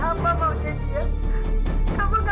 apa mau jadi apa